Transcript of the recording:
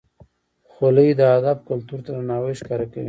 خولۍ د ادب کلتور ته درناوی ښکاره کوي.